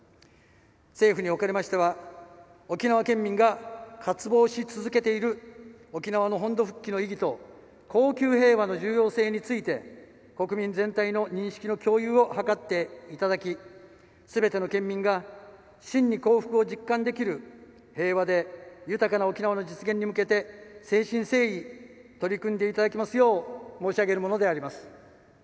政府におかれましては沖縄県民が渇望し続けている沖縄の本土復帰の意義と恒久平和の重要性について国民全体の認識の共有を図っていただきすべての県民が真に幸福を実感できる平和で豊かな沖縄の実現に向けて誠心誠意取り組んでいただきますよう申し上げるものであります。